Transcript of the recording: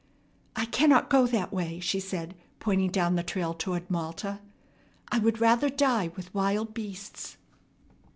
"I cannot go that way!" she said, pointing down the trail toward Malta. "I would rather die with wild beasts."